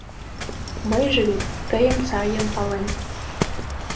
Мыйже вет тыйым сайын палем.